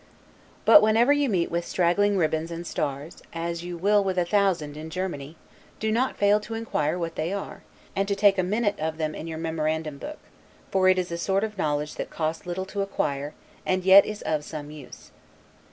But whenever you meet with straggling ribands and stars, as you will with a thousand in Germany, do not fail to inquire what they are, and to take a minute of them in your memorandum book; for it is a sort of knowledge that costs little to acquire, and yet it is of some use.